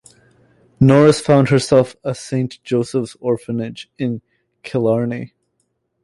Norris found herself at Saint Joseph's Orphanage in Killarney.